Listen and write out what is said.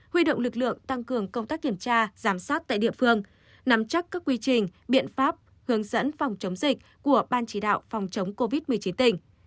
huy động lực lượng tăng cường công tác kiểm tra giám sát tại địa phương nắm chắc các quy trình biện pháp hướng dẫn phòng chống dịch của ban chỉ đạo phòng chống covid một mươi chín tỉnh